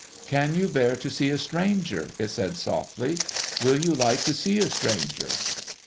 ' Can you bear to see a stranger ?' it said softly. ' AVill you like to see a stranger